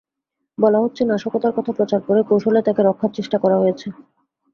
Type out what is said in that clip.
বলা হচ্ছে, নাশকতার কথা প্রচার করে কৌশলে তাঁকে রক্ষার চেষ্টা করা হয়েছে।